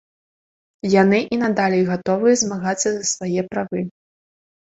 Яны і надалей гатовыя змагацца за свае правы.